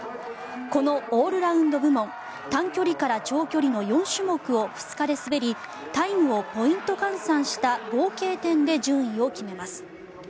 このオールラウンド部門短距離から長距離の４種目を２日で滑りタイムをポイント換算した合計点で順位を決めます。